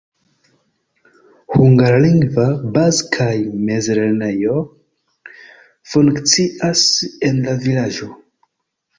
Hungarlingva baz- kaj mezlernejo funkcias en la vilaĝo.